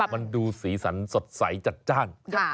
มันดูสีสันสดใสจัดจ้าน